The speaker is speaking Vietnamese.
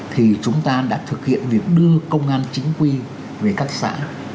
thì chúng ta đã thực hiện việc đưa công an chính quy về các xã